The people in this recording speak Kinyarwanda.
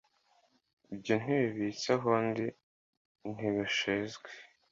Ibyo ntibibitswe aho ndi ntibishyizwe